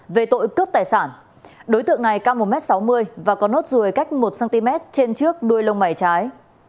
về tội cướp tài sản đối tượng này cao một m sáu mươi và có nốt ruồi cách một cm trên trước đuôi lông mày trái